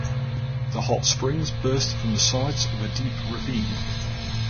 The hot springs burst from the sides of a deep ravine.